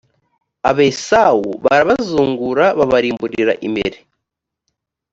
abesawu barabazungura babarimburira imbere